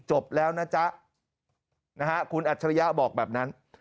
จบแล้วนะจ๊ะนะฮะคุณอัจฉริยะบอกแบบนั้น